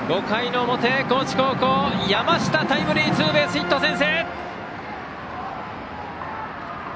５回の表、高知高校、山下のタイムリーツーベースヒット！